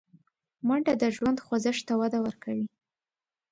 منډه د ژوند خوځښت ته وده ورکوي